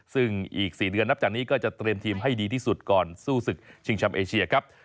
ซึ่งอีก๔เดือนนับจากนี้ก็จะเตรียมทีมให้ดีที่สุดก่อนสู้ศึกชิงแชมป์เอเชียครับ